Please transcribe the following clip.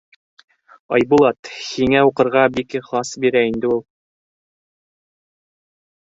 Айбулат, һиңә уҡырға бик ихлас бирә инде ул.